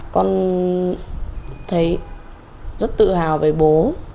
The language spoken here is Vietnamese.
con thấy rất tự hào về bố